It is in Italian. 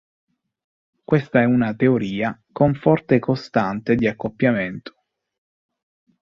Questa è una teoria con forte costante di accoppiamento.